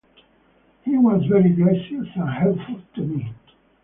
He was very gracious and helpful to me.